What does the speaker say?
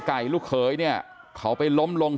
ลูกเขยเนี่ยเขาไปล้มลง